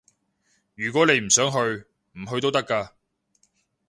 如果你唔想去，唔去都得㗎